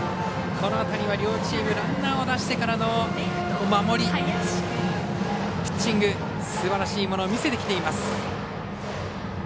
この辺りは両チームランナーを出してからの守り、ピッチングすばらしいものを見せてきています。